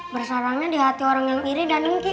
bersarangnya di hati orang yang iri dan nengki om